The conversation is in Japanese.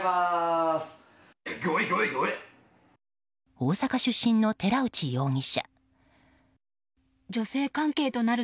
大阪出身の寺内容疑者。